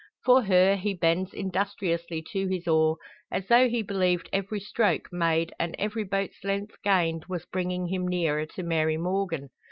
For her he bends industriously to his oar, as though he believed every stroke made and every boat's length gained was bringing him nearer to Mary Morgan.